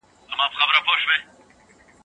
دا ستونزه یوازې په خبرو نه حل کېږي.